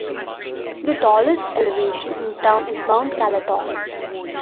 The tallest elevation in the town is Mount Calatong.